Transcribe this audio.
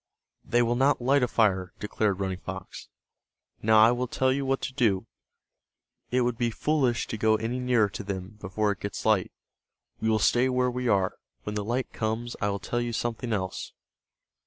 "They will not light a fire," declared Running Fox. "Now I will tell you what to do. It would be foolish to go any nearer to them, before it gets light. We will stay where we are. When the light comes I will tell you something else."